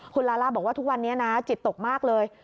คุณลาล่าบอกว่าทุกวันนี้นะจิตตกมากเลย